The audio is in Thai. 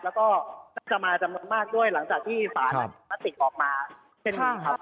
แล้วก็จะมาจำนวนมากด้วยหลังจากที่ฝานติดออกมา